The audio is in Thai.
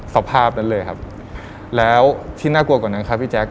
สภาพนั้นเลยครับแล้วที่น่ากลัวกว่านั้นครับพี่แจ๊